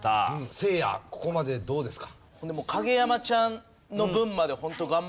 せいやここまでどうですか？